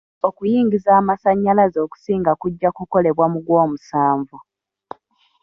Okuyingiza amasannyalaze okusinga kujja kukolebwa mu gwomusanvu.